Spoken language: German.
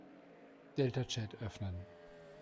Deltachat öffnen.